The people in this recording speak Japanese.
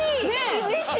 うれしい。